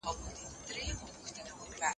په سجده کي یې نوم وایم ملایان را خبر نه سي